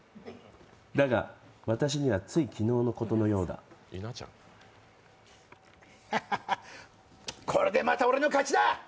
だが、私にはつい昨日のことのようだ。ハハハ、これでまた俺の勝ちだ！